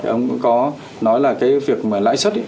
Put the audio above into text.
ông có nói là cái việc mà lãi xuất